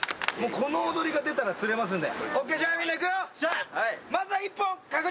この踊りが出たら釣れますんで。